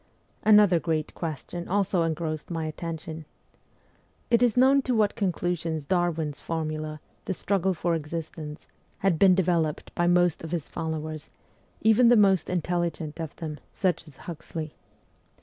Another great question also engrossed my attention. It is known to what conclusions Darwin's formula, ' The Struggle for Existence,' had been developed by most of WESTERN EUROPE 317 his followers, even the most intelligent of them, such as Huxley.